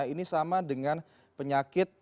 ini sama dengan penyakit